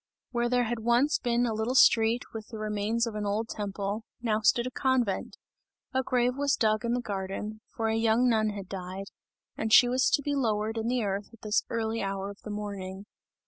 Where there had once been a little street with the remains of an old temple, now stood a convent; a grave was dug in the garden, for a young nun had died, and she was to be lowered in the earth at this early hour of the morning.